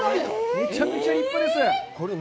めちゃくちゃ立派です。